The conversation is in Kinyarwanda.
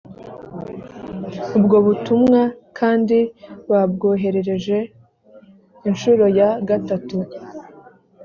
ubwo butumwa kandi babwohererejwe inshuro ya gatatu